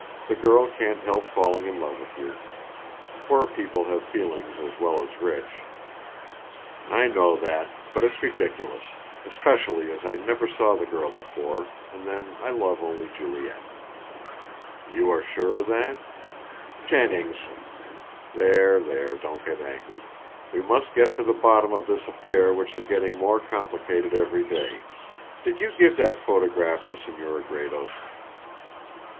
The girl can't help falling in love with you. Poor people have feelings as well as rich." "I know that, but it's ridiculous: especially as I never saw the girl before, and then I love only Juliet." "You are sure of that?" "Jennings" "There there, don't get angry. We must get to the bottom of this affair which is getting more complicated every day. Did you give that photograph to Senora Gredos?"